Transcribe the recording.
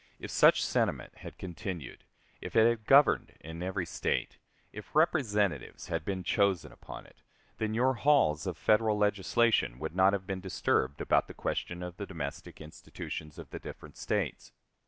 If such sentiment had continued, if it had governed in every State, if representatives had been chosen upon it, then your halls of Federal legislation would not have been disturbed about the question of the domestic institutions of the different States.